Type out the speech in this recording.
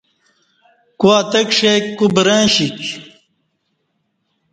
کو اتکݜیک کو برں شیک